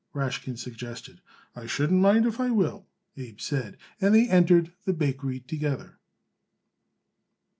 Rashkin suggested. "I shouldn't mind if I will," Abe said; and they entered the bakery together.